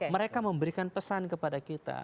mereka memberikan pesan kepada kita